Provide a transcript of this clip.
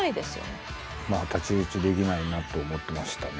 まあ太刀打ちできないなって思ってましたね。